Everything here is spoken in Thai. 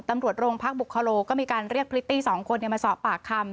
ตำรวจโรงพักบุคโลก็มีการเรียกพริตตี้๒คนมาสอบปากคำ